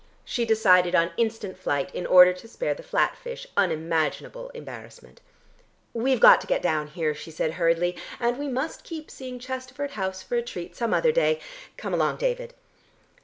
She decided on instant flight in order to spare the flat fish unimaginable embarrassment. "We've got to get down here," she said hurriedly, "and we must keep seeing Chesterford House for a treat some other day. Come along, David."